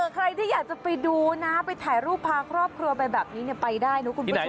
ใครที่อยากจะไปดูนะไปถ่ายรูปพาครอบครัวไปแบบนี้ไปได้นะคุณผู้ชม